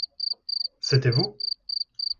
C'était vous ?